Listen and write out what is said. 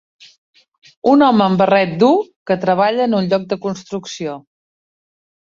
Un home amb barret dur que treballa en un lloc de construcció.